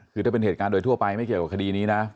คือถ้าเป็นเหตุการณ์โดยทั่วไปไม่เกี่ยวกับคดีนี้นะ